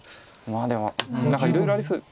まあでも何かいろいろありそう。